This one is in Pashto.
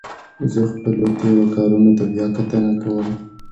زه خپلو تېرو کارونو ته بیا کتنه کوم.